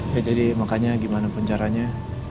ya jadi makanya gimana pun caranya